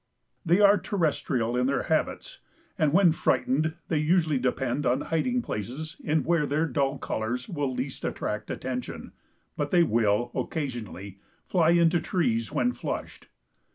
They are terrestrial in their habits, and when frightened they usually depend on hiding in places where their dull colors will least attract attention, but they will, occasionally, fly into trees when flushed.